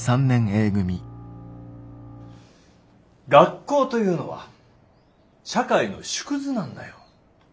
学校というのは社会の縮図なんだよ。